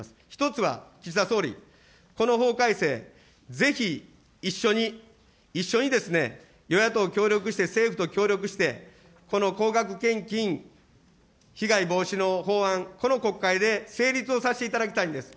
１つは岸田総理、この法改正、ぜひ一緒に一緒にですね、与野党協力して、政府と協力して、この高額献金被害防止の法案、この国会で成立をさせていただきたいんです。